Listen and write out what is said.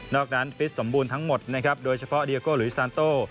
นอกนั้นฟิสสมบูรณ์ทั้งหมดโดยเฉพาะเดียโกหลหรือซานโต